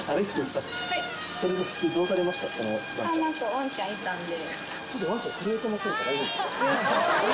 ワンちゃんいたんで。